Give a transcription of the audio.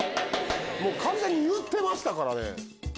完全に言ってましたからね。